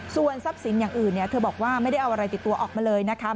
ส่วนทรัพย์สินอย่างอื่นเธอบอกว่าไม่ได้เอาอะไรติดตัวออกมาเลยนะคะ